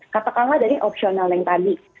katakanlah dari opsional yang tadi